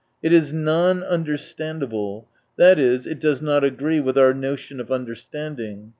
" It is non understandable ; that is, it does not agree with our notion of under standing.